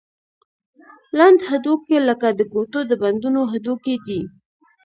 لنډ هډوکي لکه د ګوتو د بندونو هډوکي دي.